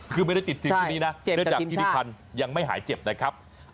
คือไม่ได้ติดทีมที่นี้นะเนื่องจากธิริพันธ์ยังไม่หายเจ็บนะครับ